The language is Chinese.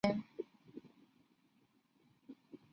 北周大定元年。